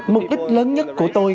mục đích lớn nhất của tôi